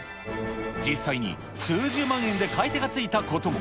実際に数十万円で買い手がついたことも。